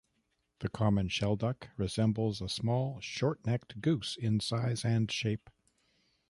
The common shelduck resembles a small short-necked goose in size and shape.